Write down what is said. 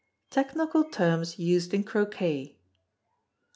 Technical Terms Used in Croquet.